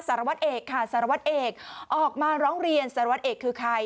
สารวัตรเอกค่ะสารวัตรเอกออกมาร้องเรียนสารวัตรเอกคือใคร